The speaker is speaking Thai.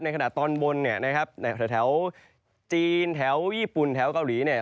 ขณะตอนบนเนี่ยนะครับแถวจีนแถวญี่ปุ่นแถวเกาหลีเนี่ย